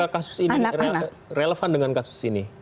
kasus ini relevan dengan kasus ini